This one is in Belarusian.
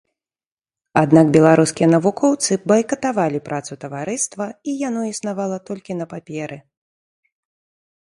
Аднак беларускія навукоўцы байкатавалі працу таварыства, і яно існавала толькі на паперы.